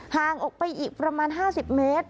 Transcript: ห่างออกไปอีกประมาณ๕๐เมตร